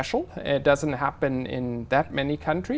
có rất nhiều đồng chí